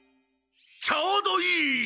ちょうどいい！